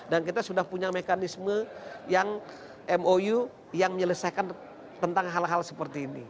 dan kita sudah punya mekanisme yang mou yang menyelesaikan tentang hal hal seperti ini